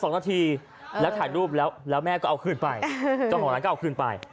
๒นาทีแล้วถ่ายรูปแล้วแล้วแม่ก็เอาคืนไปเจ้าของร้านก็เอาคืนไป